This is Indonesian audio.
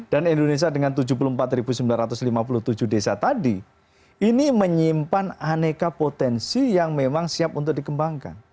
dan indonesia dengan tujuh puluh empat sembilan ratus lima puluh tujuh desa tadi ini menyimpan aneka potensi yang memang siap untuk dikembangkan